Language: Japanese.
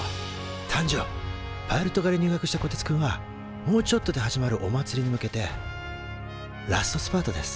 パイロット科に入学したこてつくんはもうちょっとで始まるおまつりに向けてラストスパートです